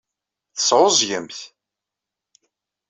Tesɛuẓẓgemt.